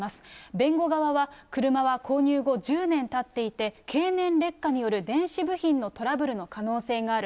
弁護側は、車は購入後１０年たっていて、経年劣化による電子部品のトラブルの可能性がある。